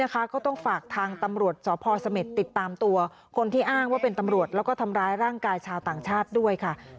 ก็ต้องฝากทางตำรวจสพเสม็ดติดตามตัวคนที่อ้างว่าเป็นตำรวจแล้วก็ทำร้ายร่างกายชาวต่างชาติด้วยค่ะ